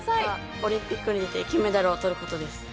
オリンピックで金メダルを取ることです。